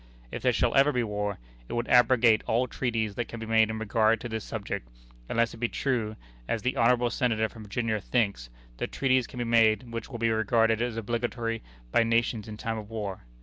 If there shall ever be war, it would abrogate all treaties that can be made in regard to this subject, unless it be true, as the honorable Senator from Virginia thinks, that treaties can be made which will be regarded as obligatory by nations in time of war.